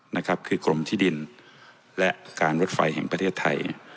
นะครับคือกรมที่ดินและการรถไฟแห่งประเทศไทย